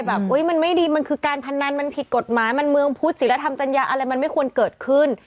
มันไม่ดีมันคือการพนันมันผิดกฎหมายมันเมืองพุทธศิลธรรมจัญญาอะไรมันไม่ควรเกิดขึ้น